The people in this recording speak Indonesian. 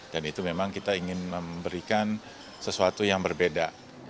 dan itu memang kita ingin memberikan sesuatu yang berbeda